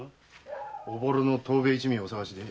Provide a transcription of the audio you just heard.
おぼろの藤兵衛一味をお捜しで？